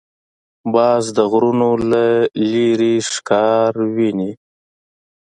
باز د غرونو له لیرې ښکار ویني